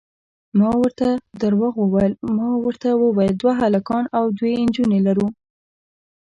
ما ورته درواغ وویل، ما ورته وویل دوه هلکان او دوې نجونې لرو.